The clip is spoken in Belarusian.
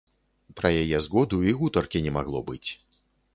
Пра яе згоду і гутаркі не магло быць.